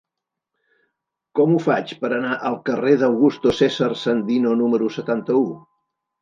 Com ho faig per anar al carrer d'Augusto César Sandino número setanta-u?